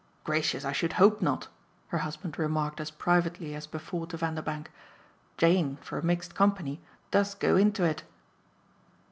"Gracious, I should hope not!" her husband remarked as privately as before to Vanderbank. "Jane for a mixed company does go into it."